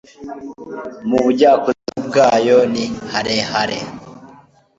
Mu bujyakuzimu bwayo ni harehare